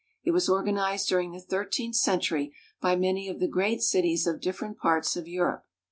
It was organized during the thir teenth century by many of the great cities of different parts of Europe.